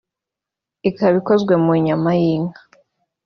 ikaba ikozwe mu nyama y’inka